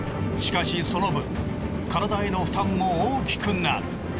しかしその分体への負担も大きくなる。